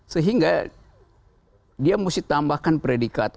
sehingga dia mesti tambahkan predikat